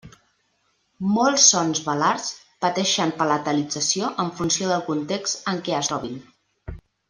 Molts sons velars pateixen palatalització en funció del context en què es trobin.